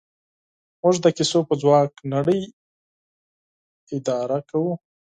موږ د کیسو په ځواک نړۍ اداره کوو.